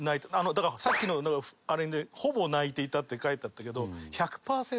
だからさっきのあれにほぼ泣いていたって書いてあったけど。